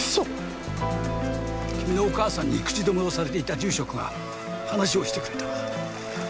君のお母さんに口止めをされていた住職が話をしてくれた。